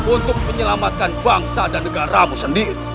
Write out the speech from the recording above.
untuk menyelamatkan bangsa dan negaramu sendiri